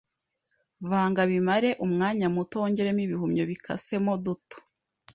Vanga bimare umwanya muto wongeremo ibihumyo bikasemo duto